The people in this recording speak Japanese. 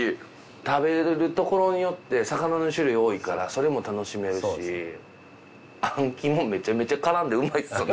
食べれるところによって魚の種類多いからそれも楽しめるしあん肝めちゃめちゃ絡んでうまいですね。